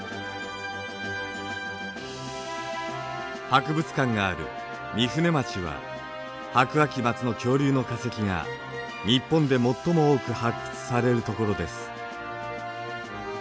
博物館がある御船町は白亜紀末の恐竜の化石が日本で最も多く発掘されるところです。